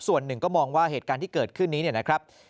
ส่วนหนึ่งก็มองว่าเหตุการณ์ที่เกิดขึ้นนี้เนี่ยนะครับ